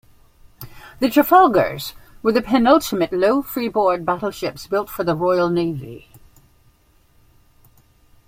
The "Trafalgar"s were the penultimate low-freeboard battleships built for the Royal Navy.